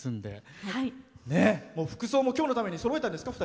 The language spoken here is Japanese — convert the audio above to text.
服装も今日のためにそろえたんですね。